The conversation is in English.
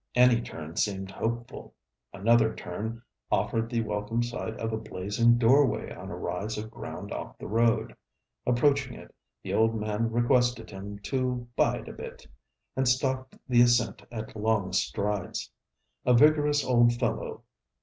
Any turn seemed hopeful. Another turn offered the welcome sight of a blazing doorway on a rise of ground off the road. Approaching it, the old man requested him to 'bide a bit,' and stalked the ascent at long strides. A vigorous old fellow.